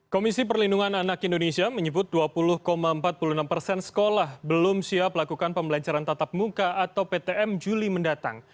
komisi perlindungan anak indonesia menyebut dua puluh empat puluh enam persen sekolah belum siap lakukan pembelajaran tatap muka atau ptm juli mendatang